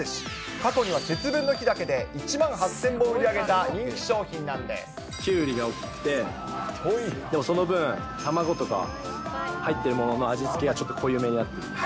過去には節分の日だけで１万８０００本売り上げた人気商品なキュウリが大きくて、でもその分、卵とか入っているものの味付けが濃いめになってるんです。